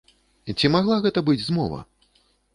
Ці магла гэта быць змова?